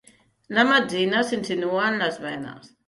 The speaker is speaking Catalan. La metzina s'insinua en les venes.